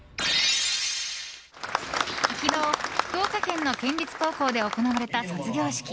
昨日、福岡県の県立高校で行われた卒業式。